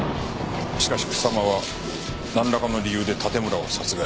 しかし草間はなんらかの理由で盾村を殺害。